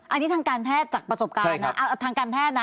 อันนี้ทางการแพทย์จากประสบการณ์นะทางการแพทย์นะ